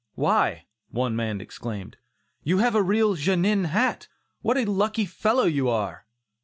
"Why," one man exclaimed, "you have a real 'Genin' hat; what a lucky fellow you are."